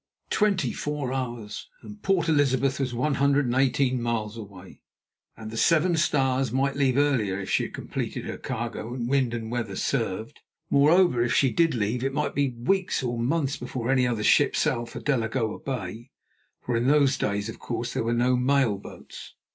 Twenty four hours! And Port Elizabeth was one hundred and eighteen miles away, and the Seven Stars might leave earlier if she had completed her cargo and wind and weather served. Moreover, if she did leave, it might be weeks or months before any other ship sailed for Delagoa Bay, for in those days, of course, there were no mail boats.